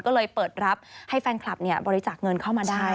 ก็เลยเปิดรับให้แฟนคลับบริจาคเงินเข้ามาได้